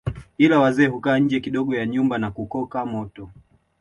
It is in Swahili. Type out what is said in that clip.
Ila wazee hukaa nje kidogo ya nyumba na kukoka moto